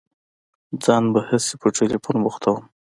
ځان به هسي په ټېلفون بوختوم.